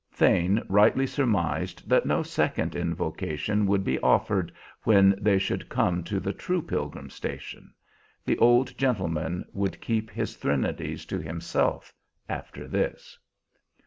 Thane rightly surmised that no second invocation would be offered when they should come to the true Pilgrim Station; the old gentleman would keep his threnodies to himself after this.